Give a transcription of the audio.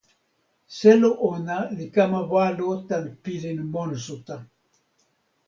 selo ona li kama walo tan pilin monsuta.